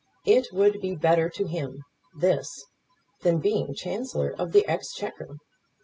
It would be better to him, this, than being Chancellor of the Exchequer.